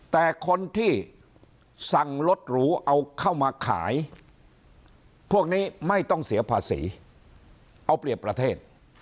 แต่คนที่สั่งรถหรูเอาเข้ามาขายพวกนี้ไม่ต้องเสียภาษีเอาเปรียบประเทศ